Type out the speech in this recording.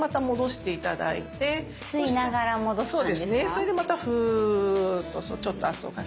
それでまたフーッとちょっと圧をかける。